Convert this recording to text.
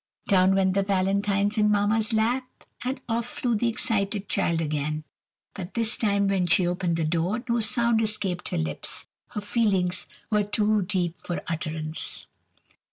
Down went the valentines in Mamma's lap, and off flew the excited child again. But this time, when she opened the door, no sound escaped her lips. Her feelings were too deep for utterance.